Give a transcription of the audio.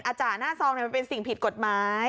จ่าหน้าซองมันเป็นสิ่งผิดกฎหมาย